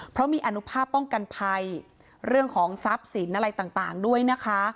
เพราะมีอนุภาพป้องกันภัยเรื่องของทรัพย์สินอะไรต่างด้วยนะคะ